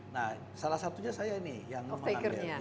nah salah satunya saya ini yang mengambil